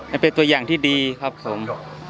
มันเป็นตัวอย่างที่ดีครับผม